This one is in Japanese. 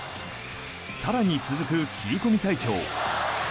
更に続く切り込み隊長。